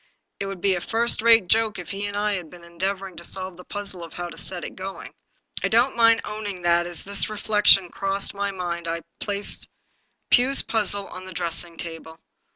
It would be a first rate joke if he and I had been en deavoring to solve the puzzle of how to set it going." I don't mind owning that as this reflection crossed my mind I replaced Pugh's puzzle on the dressing table.